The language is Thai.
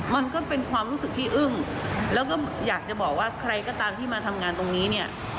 มันก็เป็นความรู้สึกที่อึ้งแล้วก็อยากจะบอกว่าใครก็ตามที่มาทำงานตรงนี้เนี่ย